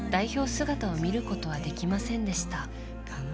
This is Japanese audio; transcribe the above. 姿を見ることはできませんでした。